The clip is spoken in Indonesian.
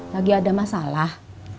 lagi ada masalah